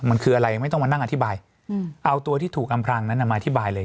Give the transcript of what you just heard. มันคืออะไรไม่ต้องมานั่งอธิบายเอาตัวที่ถูกอำพรางนั้นมาอธิบายเลย